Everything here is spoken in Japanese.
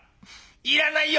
いらないよ！」。